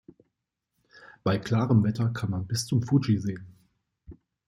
Bei klarem Wetter kann man bis zum Fuji sehen.